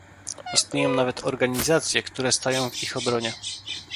Istnieją nawet organizacje, które stają w ich obronie